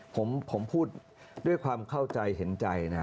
ผมพูดด้วยความเข้าใจเห็นใจนะ